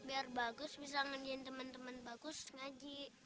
biar bagus bisa ngerjain teman teman bagus ngaji